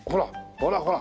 ほらほら！